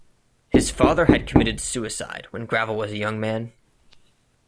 His father had committed suicide when Gravell was a young man.